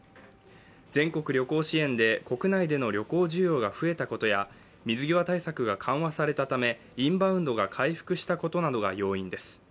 全国旅行支援で国内での旅行需要が増えたことや水際対策が緩和されたため、インバウンドが回復したことなどが要因です。